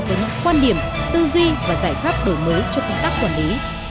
với những quan điểm tư duy và giải pháp đổi mới cho công tác quản lý